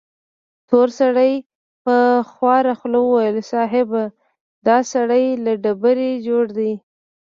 تور سړي په خواره خوله وويل: صيب! دا سړی له ډبرې جوړ دی.